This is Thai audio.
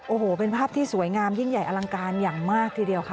โอ้โหเป็นภาพที่สวยงามยิ่งใหญ่อลังการอย่างมากทีเดียวค่ะ